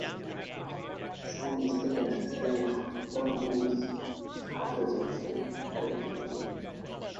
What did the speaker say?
Some mistakenly think the term means "half-resolution high-definition".